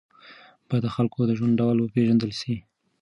باید د خلکو د ژوند ډول وپېژندل سي.